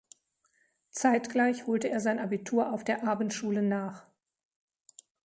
Zeitgleich holte er sein Abitur auf der Abendschule nach.